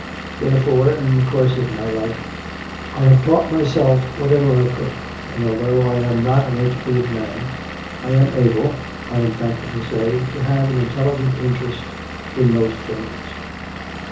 Therefore, in the course of my life I have taught myself whatever I could, and although I am not an educated man, I am able, I am thankful to say, to have an intelligent interest in most things.